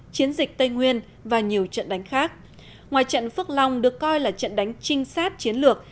chiến dịch tây nguyên và nhiều trận đánh khác ngoài trận phước long được coi là trận đánh trinh sát chiến lược